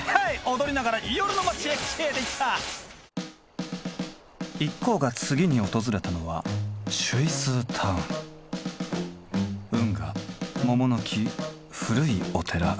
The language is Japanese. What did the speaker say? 踊りながら夜の街へ消えていった一行が次に訪れたのは運河桃の木古いお寺。